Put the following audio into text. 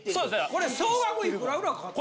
これ総額いくらぐらいかかってるの。